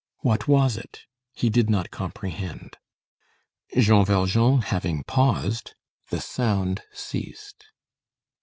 What was it? He did not comprehend. Jean Valjean having paused, the sound ceased.